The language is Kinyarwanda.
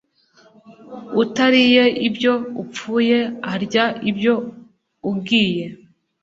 utariye ibyo upfuye arya ibyo ugiye